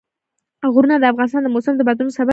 غرونه د افغانستان د موسم د بدلون سبب کېږي.